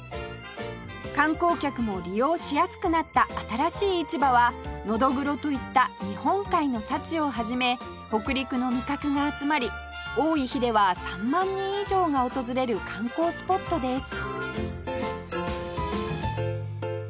観光客も利用しやすくなった新しい市場はノドグロといった日本海の幸をはじめ北陸の味覚が集まり多い日では３万人以上が訪れる観光スポットです